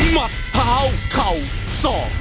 มัดเท้าเข่าสอก